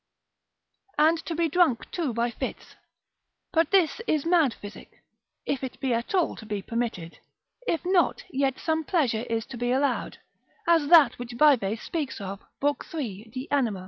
And to be drunk too by fits; but this is mad physic, if it be at all to be permitted. If not, yet some pleasure is to be allowed, as that which Vives speaks of, lib. 3. de anima.